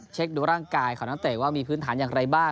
เช็คดูร่างกายของนักเตะว่ามีพื้นฐานอย่างไรบ้าง